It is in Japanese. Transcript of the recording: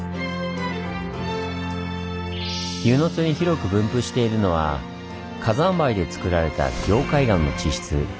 温泉津に広く分布しているのは火山灰でつくられた凝灰岩の地質。